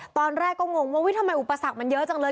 ตอนแรกก็งงว่าทำไมอุปสรรคมันเยอะจังเลย